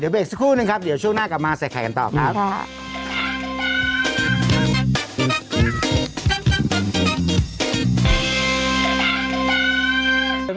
เบรกสักครู่นึงครับเดี๋ยวช่วงหน้ากลับมาใส่ไข่กันต่อครับ